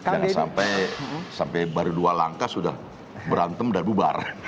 jangan sampai baru dua langkah sudah berantem dan bubar